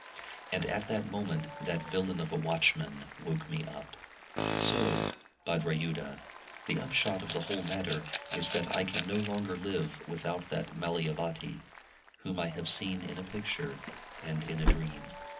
And at that moment that villain of a watchman woke me up. So, Bhadrayudha, the upshot of the whole matter is that I can no longer live without that Malayavati, whom I have seen in a picture and in a dream."